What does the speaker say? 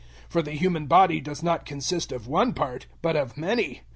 012:014 For the human body does not consist of one part, but of many.